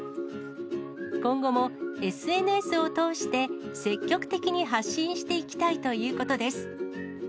今後もＳＮＳを通して、積極的に発信していきたいということです。